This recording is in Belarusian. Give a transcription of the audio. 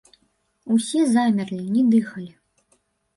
Усе замерлі, не дыхалі.